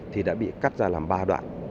thì đã bị cắt ra làm ba đoạn